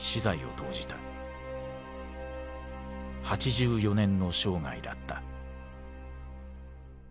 ８４年の生涯だった。